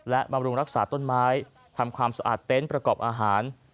และบำรุงรักษาต้นไม้ทำความสะอาดเต็นต์ประกอบอาหาร